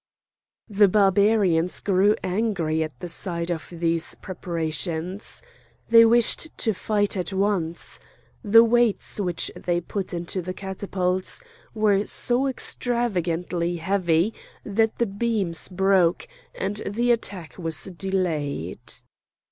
The Barbarians grew angry at the sight of these preparations. They wished to fight at once. The weights which they put into the catapults were so extravagantly heavy that the beams broke, and the attack was delayed.